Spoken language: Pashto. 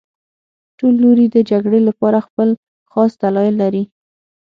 ټول لوري د جګړې لپاره خپل خاص دلایل لري